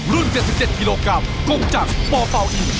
๗๗กิโลกรัมกงจักรปเป่าอิน